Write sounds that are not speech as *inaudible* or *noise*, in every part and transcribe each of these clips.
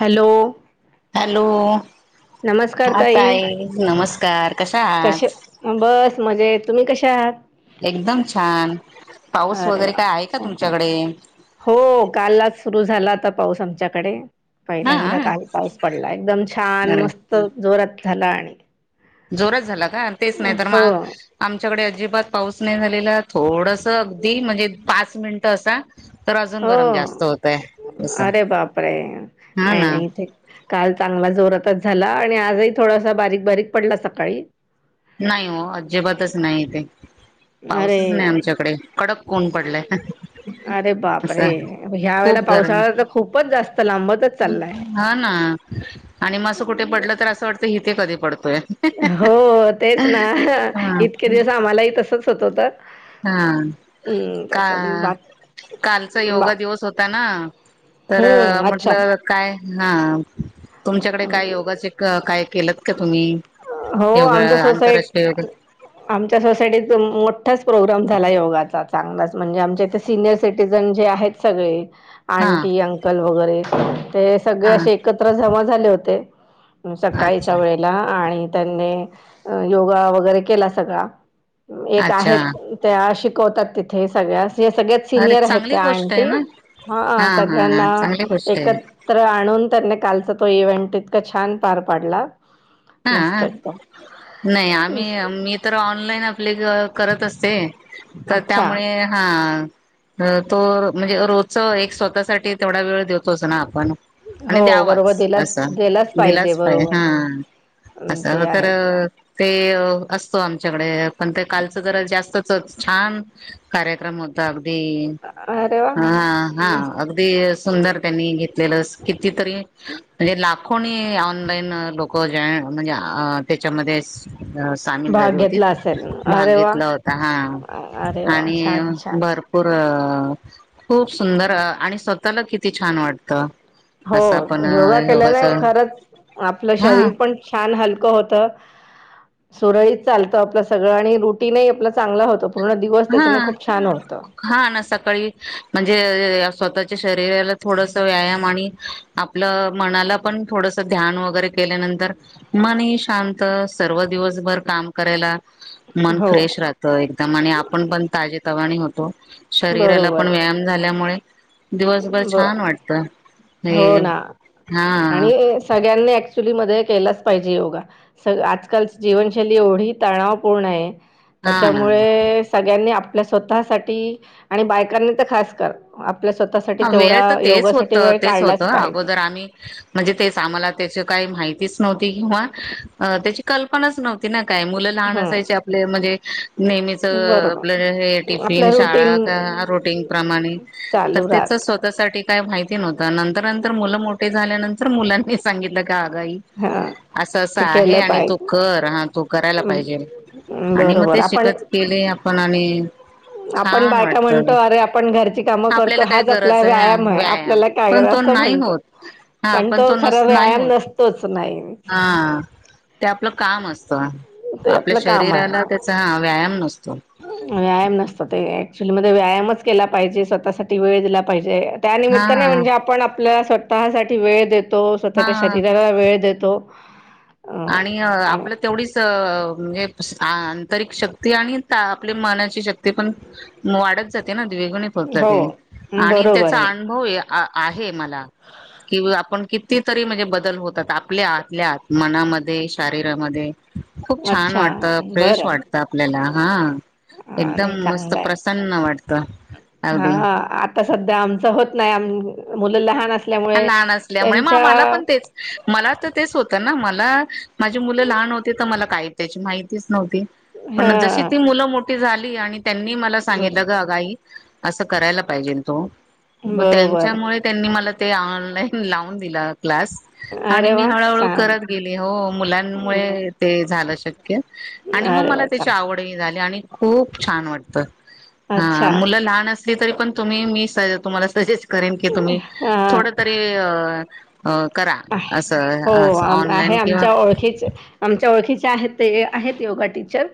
Hello! Hello! नमस्कार हा ताई, नमस्कार कशा आहात? कश बस मज येत. तुम्ही कशा आहात? एकदम छान पाऊस अरे वगैरे वा काय आहे का छान तुमच्याकडे? हो कालच सुरू झाला आता पाऊस आमच्याकडे. हा पहिल्यांदा काल पाऊस पडला एकदम छान अरे मस्त जोरात झाला आणि जोरात झाला का तेच नाही तर हो आच्याकडे अजिबात पाऊस नाही झालेला थोडस अगदी म्हणजे पाच मिनटं असा तर अजून हो गरम जास्त होतयस. अरे बापरे नाही नाही ते काल चांगला जोरातच झाला आणि आजही थोडासा बारीक बारीक पडला सकाळी नाही हो अजिबातच नाही तेे. अरे पाऊसच नाही आमच्याकडे कडक ऊन पडलाय. अरे बाप रे असं ह्या वेळेला खूप गरम पावसाळा्या तर खूपच जास्त लांबचच चाललाय. हा ना आणि म असं कुठे पडलं तर असं वाटतं इथे कधी पडतोय. हो तेच ना हा इतके दिवस आम्हालाही तसच होत होत. हा! हम् का तसं ब कालचा योगा दिवस होता ना, तर हम्म अच्छा म्हटलं काय हा तुमच्याकडे काय योगाचे काय केल का? तुम्ही हो योगा आमच्या सोसायट आंतरराष्ट्रीय योगा आमच्या सोसायटी मोठाच- प्रोग्राम झाला योगाचा चांगलाच. म्हणजे आमच्या इथे सिनियर सिटीझन जे आहेत सगळे- हा आंटी अंकल वगैरे ते सगळे हा असे एकत्र जमा झाले होते. सकाळीच्या अच्छा वेळेला आणि त्यांनी योगा वगैरे केला सगळा. एक अच्छा आहेत त्या शिकवतात तिथे सगळ्यास- ज सगळ्यात अरे सिनियर आहेत चांगली त्या गोष्ट आहे अंटी- ना हा हा सगळ्यांना चांगली गोष्ट आहे एकत्र आणून त्यांना कालच- तो इव्हेंट इतका छान पार पाडला. मस्त हा एकदम नाही आम्ही मी तर ऑनलाईन अप्ला कर- करत असते तर अच्छा त्यामुळे हा- अ तो म्हणजे रोजच एक स्वतःसाठी तेवढा वेळ देतोच ना आपण- हो आणि बरोबर द्यावाच दिलाच दिलाच - पाहिजे बरोबर अ ते असं आहेच तर- ते असतो आमच्याकडे. पण ते कालच जर जास्तच छान कार्यक्रम होता. दी अरे वा ह हा अगदी सुंदर त्यांनी घेतलेलं- ति तरी म्हणजे लाखोनी ऑनलाईन लोक जे- म्हणजे अ त्याच्यामध्ये- सामील झाली भाग होती घेतला असेल भाग अरे वा घेतला होता हा अरे वा आणि छान भर- छान भरपूर खूप सुंदर आणि स्वतःला किती छान वाटतं. हो असं आपण योगा केल्याने योगाच खरंच आपलं हा शरीर पण- छान हलकं होत. सुरळीत चालत आपलं सगळं आणि रुटीन आपलं चांगलं होतं. हा हा ना सकाळी म्हणजे स्वतःच्या- शरीराला थोडस व्यायाम आणि आपलं मनाला पण थोडस ध्यान वगैरे केल्यानंतर- मन शांत सर्व दिवसभर काम करायला- मन हो फ्रेश राहत एकदम आणि आपण पण ताजे तवाणी होतो. शरीराला पण बरोबर व्यायाम झाल्यामुळे- दिवसभर ब छान वाटतं. हो ना आणि सगळ्यांनी ऍक्च्युली म- केलाच पाहिजे. योगा स आजकालची जीवनशैली एवढी तणावपूर्ण आहे. हा ना त्याच्यामुळे सगळ्यांनी आप- आपल्या स्वतःसाठी आणि बायकांनी तर खास कर आपल्या स्वतः- हा वेळ तर तेच होत तेच होतं पाहिजे. अगोदर आम्ही म्हणजे तेच आम्हाला त्याची काही माहितीच- किंवा त्याची कल्पनाच नव्हती. काय मुलं लहान असायचे हम्म आपले म्हणजे नेहमीच आपलं हे बरोबर टिफिन आपलं रुटीन शाळा का- प्रूटीन प्रमाणे चालू त्याच राहत स्वतःसाठी काय माहिती नव्हत. नंतर नंतर मुलं मोठे झाल्यानंतर मुलांनी सांगितलं- अगं आई हा. असं असं हे आहे केलं आणि तो पाहिजे कर हा तो करायला पाहिजे. हम्म, आणि मग बरोबर ते आपण शिकत केले आपण आणि- आपण छान बायका वाटतं म्हणतो अरे आपण घरच्या- काम आपल्याला करतो काय हाच आपला गरज व्यायाम हा आहे. व्यायाम पण *unintelligible* तो असं नाही म्हणतात. होत. हा पण तो नस सर्व - नाही कायाम होत नसतोच नाही. हा. ते आपलं काम असत. ते आपल्या आपलं काम आहे. शरीराला त्याचा ह व्यायाम नसतो. व्यायाम नसतो ते ऍक्च्युली व्यायामच केला पाहिजे स्वतःसाठी वेळ दिला पाहिजे हा त्यानिमित्तने म्हणजे आपण- आपल्याला स्वतः साठी वेळ देतो स्वतःच्या हा. शरीराला वेळ देतो. अ आणि आणि आपलं तेवढीच- म्हणजे आंतरिक शक्ती आणि आपल्या मनाची शक्ती पण वाढत जाते ना. वे पत हो आणि बरोबर त्याचा आहे. अनुभव. आहे मला कि आपण किती तरी म्हणजे बदल होतात आपल्या आतल्यात- मनामध्ये शारीरामध्ये खूप छान अच्छा वाटत फ्रेश बरं वाटत आपल्याला हा हा एकदम नाही मस्त चांगलं आहे. प्रसन्न वाटतं हा अगदी आता सध्या आमच होत नाही आ मुलं लहान अस लहान असल्यामुळे मग मला पण तेच मला तर तेच होतं ना मला माझी मुलं लहान मला काय त्याची माहितीच नव्हती हा पण जशी ती मुलं मोठी झाली त्यांनी मला बर सांगितलं ग अगाई असं करायला पाहिजे तो मग बरोबर त्यांच्यामुळे त्यांनी मला ते ऑनलाईन लावून दिलं क्लास आणि अरे मी वा हळूहळू छान करत गेली हो बर मुलांमुळे ते झालं आणि मग अरे मला वा त्याची चांगल आवडही झाली आणि खूप छान वाटत हा अच्छा मुलं लहान असली तरी पण तुम्ही मी स तुम्हाला सजेस्ट करेन की तुम्ही थोडं अ तरी अ अ करा असं हो असं आ ऑनलाईन आहे किंवा आमच्या ओळखीच आमच्या ओळखीच आहेत ते आहेत योगा टीचर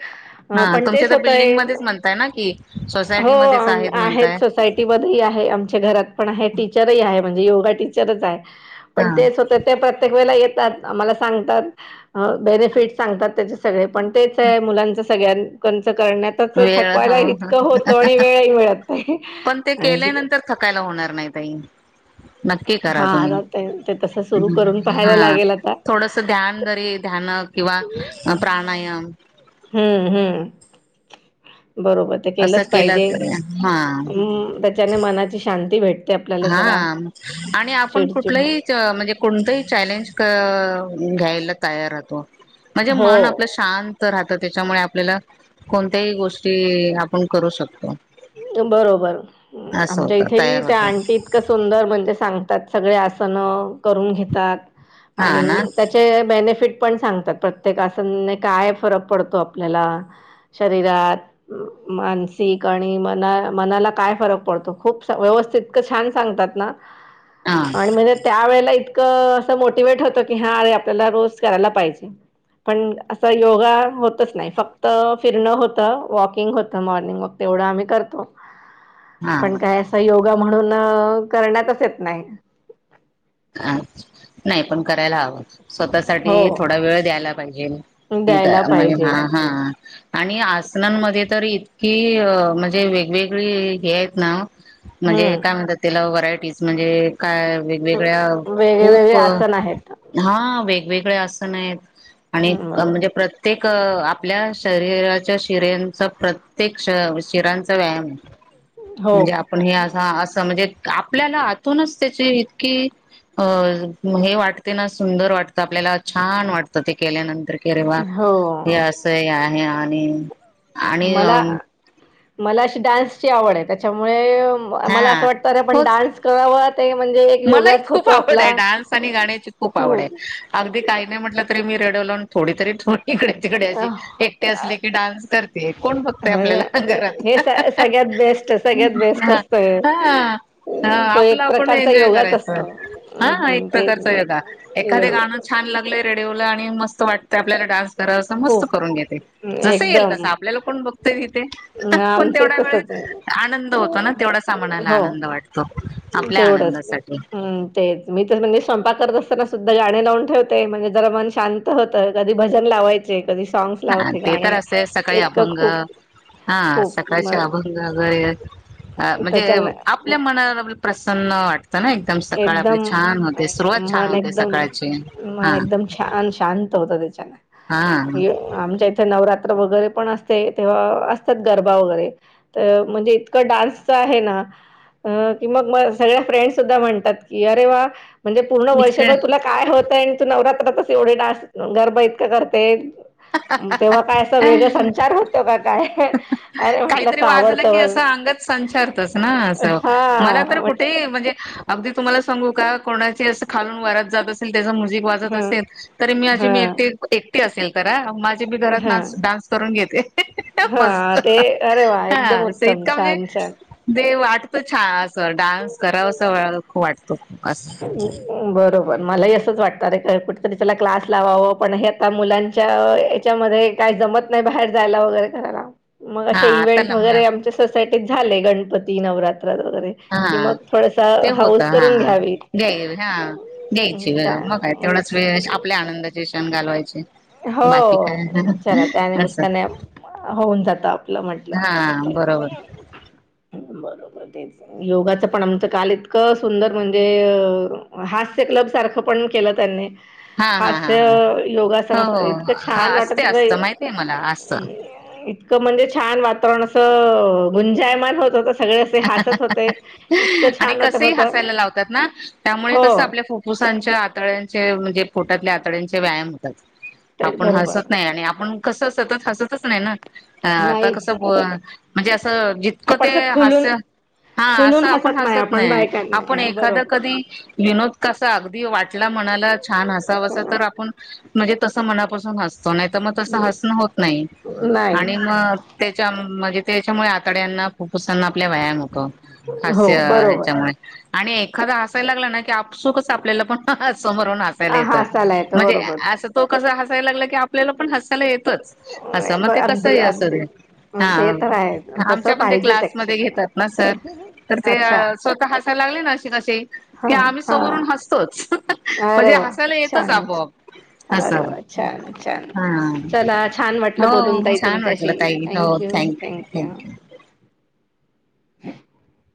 हा पण तुमच्या तेच तर होतय बिल्डिंगमध्येच म्हणताय ना की हो सोसायटीमध्येच म्हणताय आहेत सोसायटीमध्ये आहे आमच्या घरात पण आहे टीचरही आहे म्हणजे योगा टीचरच आहे हा ते हो ते प्रत्येक वळेला आम्हाला सांगतात बेनिफिट सांगतात त्याचे सगळे पण आहे मुलांचं सगळ्यान सकाळी ना वेळ थकवायला हो इतकं होतं आणि वेळही मिळत नाही पण ते आणि ब केल्यानंतर थकायला होणार नाही ताई नक्की करा हा तुम्ही आता ते ते तसं सुरू करून पाहायला लागेल आता थोडस ध्यान दरी ध्यान किंवा प्राणायाम हम्म हम्म बरोबर ते असं केलंच केलं पाहिजे तरी हा त्याच्याने मनाची शांती भेटते आपल्याला हा जरा आणि आपण चिडचिड कुठलंही म्हणजे कोणतंही चॅलेंज घ्यायला तयार होतो म्हणजे हो मन आपलं शांत राहत त्याच्यामुळे आपल्याला कोणत्याही गोष्टी आपण करू शकतो बरोबर असं आमच्या होत इथेही तयार त्या होत आणंटी इतकं सुंदर म्हणजे सांग त्यात सगळे आसन करून घेतात हा आणि ना त्याचे बेनिफिट पण सांगतात प्रत्येकन काय फरक पडतो आपल्याला शरीात मा आणि मनाला काय फरक पडतो खूप व्यवस्थिततकं छान सांगतात ना हा आणि म्हणजे त्यावेेळेला इतकं असं मोटिवेट होतो की हा अरे आपल्याला रोज करायला पाहिजे पण असं योगा होतच नाही फक्त फिरणं होतं वॉकिंग होतं मॉर्निंग वॉक व आम् करतो हा पण का अस योगा म्हणून करण्यातच येत नाही अ नाही पण करायला हवं स्वतः साठी थोडा हो वेळ द्यायला पाहिजे हे का द्यायला म्हणजे पाहिजे हा हा आणि आसनांमध्ये तर इ हि म्हणजे वेगवेगळी हे आहेत ना म्हणजे हम्म. काय म्हणतात त्याला वरायटी म्हणजे काय सगळ्या वेगळे वेगळे खूप आसन आहेत हा वेग वेगळे आसन आहेत आणि बरोबर म्हणजे प्रत्येक आपल्या शरीराच्या शिरंचा प्रत्येक शिरांचा व्यायाम हो. म्हणजे आपण हे असं असं म्हणजे आपल्याला आतूनच त्याची इतकी अ हे वाटते ना सुंदर वाटतं आपल्याला छान वाटतं ते केल्यानंतर केरवा हो हे असं आहे आणि आणि अ मला मला अशी डान्सची आवड आहे त्याच्यामुळे मला हा असं वाटते पण होच डान्स करावा ते म्हणजे एक मलाही योगाच खूप होतो आवड आहे आपला डान्स आणि गाण्याची खूप आवड आहे अगदी काही नाही म्हटलं तरी मी रेडिओ लावून थोडी तरी इकडे तिकडची अह, एकटे असले की डान्स करतेय कोण बघतय आपल्याला हे घरात स- सगळ्यात बेस्ट सगळ्यात बेस्ट हा असत हा हा तो आपला एक आपण प्रकारचा एन्जोय योगाच करा असतो हा एक अं, ते प्रकारच एखादे योगाच गाणं असत छान लागलंय रेडिओला आणि मस्त वाटत आपल्याला डान्स करा मस्त खूप करून घेते जं येईल एकदम तं आपल्याला कोण बघ ण आमचं तेवढा वेळ तसच आहे आनंद होतो ना तेवढासा म्हणाला हो आनंद वाटतो आप ंद तेवढंच हम् तेच मी तर म्हणजे कपा करत असताना सुद्धा गाणे लावून ठेवते म्हणजे जरा मन शांत होतं कधी भजन लावायचे कधी सॉग्स हा लावते ते तर गाणे असते सकाळी इतकं अभंग खूप हा खूप सकाळचे मग अभंग वगैरे म्हणजे त्याच्यान आपल्या मनाला प्रसन्नट ना एकदम सकाळ आपले एकदम छान होते सुरुवात छान मन होते एकदम सकाळची हा हो त्या हा आमच्या इथ नवरात वगैरे पण असते तेव्हा असतात गरबा वगैरे तर म्हणजे इतक डान्स आहे म सग फ्रेंडधा म्हण ी अरे वा म्हणजे पूर्ण इकडे वर्शभर तुला काय होतं नवरात्रातच एवढे डास गरभ इतकं करते तेव्हा काय असं वेगळ संचार होतो का काय अरे म्हटलं काहीतरी असं वाजलं की आवडतं असं अंगच संचारतस ना असं मला हा तर म्हट कुठे म्हणजे अगदी तुम्हाला सांगू का कोणाची अस खालून वारत जात असेल त्या म्यझिक वात ह असेल तरी मी आजी हा मी एकटी एकटी असेल करा माझे मी घरात हा डान्स करून घेत हा मस्त ते अरे वा एकदम हा उत्तम इतका म्हणजे छान छान देव वाट वाटत छान अस डान्स करा अस खू वाटत खू असं मलाच वाटते कुठरी त्याला क्लास लावाव पण हे आता मुलांच्या याच्यामध्ये काही जमत नाही बाहेर जायला वगैरे करायला मग हा असे आता इव्हेंट ना मुला वगैरे आमच्या सोसायटीत झाले गणपती नवरात वगैरे कि हा मग थोडसा हाऊस करून घ्यावी घ्या हा घ्यायचे त्या मगय तेवढाच वेळ आपल्या आनंदाचे क्षण घालवायचे बाकी काय हो चला असं म्हंटलं हा का बरोबर बरोबरच योगाच पण आमचं काल इतकं सुंदर म्हणजे हास्य कलब पण के त्यां हा हा ह हा हा योग हो इतकं हा छान असते वाटत असतं माहितीय मला असं इ म्हणजे छान वातावरण असं गुंजायमान होत तर सगळे असे हसत होते इतकं आणि छान वाटत कसही होत हसायला लावतात ना त्यामुळे हो कस आपल्या फुफ्फुसांच्या आतळ्यांचे म्हणजे पोटातल्या आतड्यांचे व्यायाम होतात ते आपण बरोबर हसत नाही आणि आपण कसं सतत हसतच नाही ना ह आता नाहीच कसं ब म्हणजे असं जितकं आपण ते असं खुलून हास्य हा असं खुलून आपण हसत आपण नाही आपण बायकांना एखादा कधी विनोद कसा अगदी वाट म छान ह आपण म्हणजे त मपासून हतो तर मग तस बरोबर हसण होत नाही आणि नाहीच मग त्याच्या म्हणजे त्याच्यामुळे आतड्यांना फुप्फुसांना आपला व्यायाम होतो हो हास्य बरोबर ह्याच्यामुळे आणि एक खरं असाय लागला ना की आपसुकच आपल्याला पण हय म्हण हासायला येतं बरोबर अस क हयला आपल्याला पण हसायला येतच अस मग ब ते कसं आहे असं ते हा तस पाहिजे घात ना सर तर ते स्वतः हसायला लागले ना अ कसे कि हा आम्ही हा समोरून हसतोच म्हणजे अरे वा हसायला येतच छानच आपोआप अरे असं वा छान छान हा चला छान वाटलं बोलून हो ताई छान वाटलं तुमच्याशी काई हो थँक्यू थँक्यू *unintelligible*